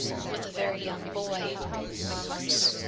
with a very young boy ... (murmurs)